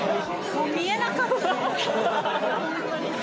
もう見えなかった。